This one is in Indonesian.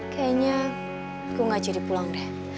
kayaknya gue gak jadi pulang deh